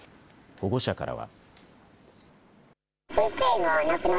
保護者からは。